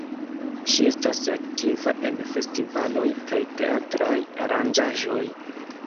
Ŝi estas aktiva en festivaloj kaj teatraj aranĝaĵoj.